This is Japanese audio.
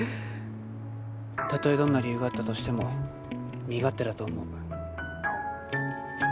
たとえどんな理由があったとしても身勝手だと思う。